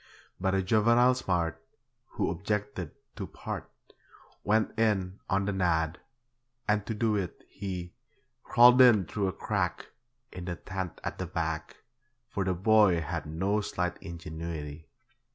But a juvenile smart, Who objected to 'part', Went in 'on the nod', and to do it he Crawled in through a crack In the tent at the back, For the boy had no slight ingenuity.